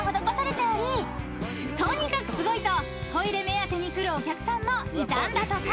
［とにかくすごいとトイレ目当てに来るお客さんもいたんだとか］